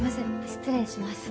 失礼します。